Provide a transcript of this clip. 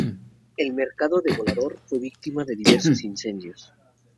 El Mercado del Volador fue víctima de diversos incendios.